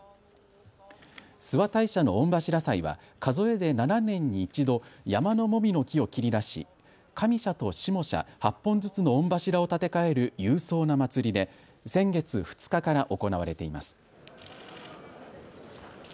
諏訪大社の御柱祭は数えで７年に１度、山のもみの木を切り出し、上社と下社、８本ずつの御柱を建て替える勇壮な祭りで先月２日から行われています。